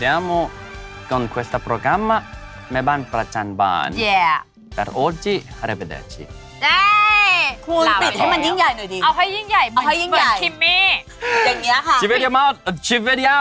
กลับมาเจอกันใหม่กับรายการแม่บ้านประจำบานวันนี้เวลาหมดลงแล้วสวัสดีครับ